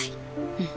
うん。